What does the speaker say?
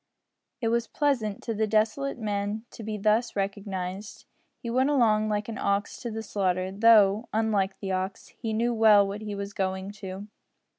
It was pleasant to the desolate man to be thus recognised. He went along like an ox to the slaughter, though, unlike the ox, he knew well what he was going to.